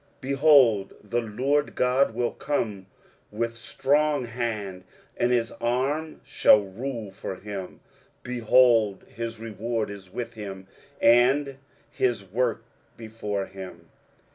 23:040:010 Behold, the Lord GOD will come with strong hand, and his arm shall rule for him: behold, his reward is with him, and his work before him.